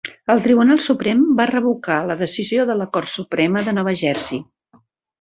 El Tribunal Suprem va revocar la decisió de la Cort Suprema de Nova Jersey.